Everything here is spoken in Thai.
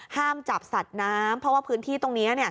ห้ามจับสัตว์น้ำเพราะว่าพื้นที่ตรงนี้